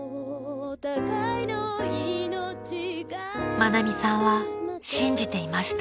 ［愛美さんは信じていました］